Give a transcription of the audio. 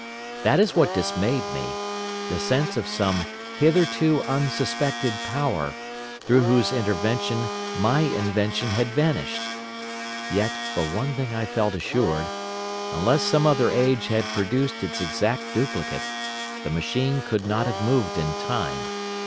That is what dismayed me: the sense of some hitherto unsuspected power, through whose intervention my invention had vanished. Yet, for one thing I felt assured: unless some other age had produced its exact duplicate, the machine could not have moved in time.